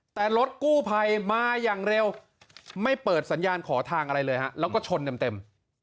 แต่รถกู้ภัยมาอย่างเร็วไม่เปิดสัญญาณขอทางอะไรเลยฮะแล้วก็ชนเต็ม